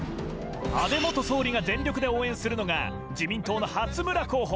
安倍元総理が全力で応援するのが、自民党の初村候補。